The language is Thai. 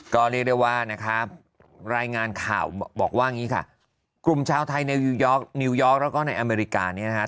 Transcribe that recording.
ก็เรียกได้ว่านะครับรายงานข่าวบอกว่าอย่างนี้ค่ะกลุ่มชาวไทยในนิวยอร์กแล้วก็ในอเมริกาเนี่ยนะคะ